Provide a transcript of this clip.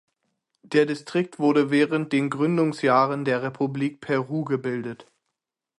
Der Distrikt wurde während den Gründungsjahren der Republik Peru gebildet.